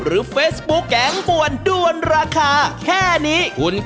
ตะเกียบคู่หน้ารถมอสไซด์